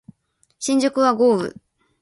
新宿は豪雨